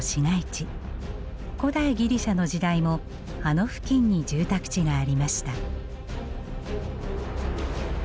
古代ギリシャの時代もあの付近に住宅地がありました。